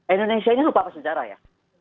indonesia ini lupa apa sejarah ya